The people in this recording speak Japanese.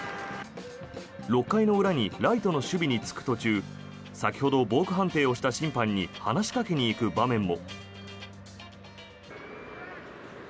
６回の裏にライトの守備に就く途中先ほどボーク判定をした審判に話しかけに行く場面も。